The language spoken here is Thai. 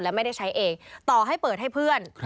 และไม่ได้ใช้เองต่อให้เปิดให้เพื่อน